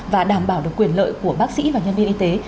và đảm bảo được quyền lợi của bác sĩ và nhân viên y tế